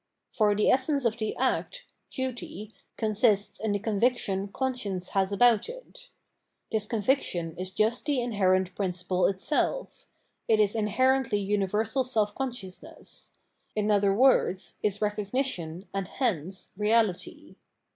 ^ For the essence of the act, duty, consists in the conviction conscience has about it. This conviction is just the inherent principle itself ; it is inherently umversal self consciousness — ^in other words, is recogmtion and hence reality.